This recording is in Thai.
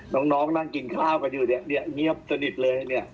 น้องนั่งกินข้าวกันอยู่เนี่ยเงียบสนิทเลยเนี่ย